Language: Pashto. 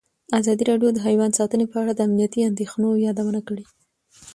ازادي راډیو د حیوان ساتنه په اړه د امنیتي اندېښنو یادونه کړې.